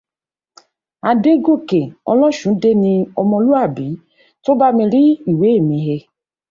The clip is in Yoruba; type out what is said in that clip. Adégòkè Ọlọ́ṣundé ni ọmọlúàbí tó bá mi rí ìwé mi he